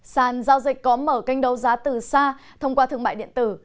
sàn giao dịch có mở kênh đấu giá từ xa thông qua thương mại điện tử